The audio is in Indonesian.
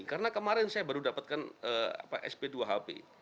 karena kemarin saya baru dapatkan sp dua hp